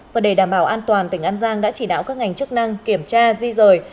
và để đảm bảo an toàn tỉnh an giang đã chỉ đạo các ngành chức năng kiểm tra di rời